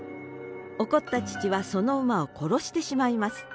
怒った父はその馬を殺してしまいます。